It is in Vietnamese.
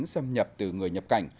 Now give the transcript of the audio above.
xâm nhập từ người nhập cảnh